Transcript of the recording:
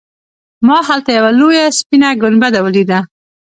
ما هلته یوه لویه سپینه ګنبده ولیده.